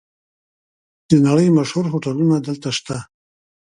د نړۍ مشهور هوټلونه دلته شته.